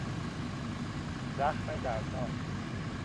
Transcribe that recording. زخم دردناک